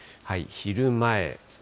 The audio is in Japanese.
昼前ですね。